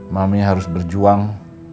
mami harus berjuang